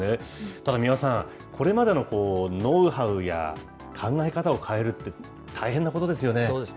ただ三輪さん、これまでのノウハウや考え方を変えるって、そうですね。